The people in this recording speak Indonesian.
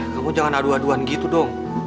kamu jangan adu aduan gitu dong